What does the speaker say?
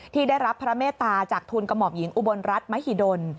ที่ได้รับพระเมตตาจากทุนกระหม่อมหญิงอุบลรัฐมหิดล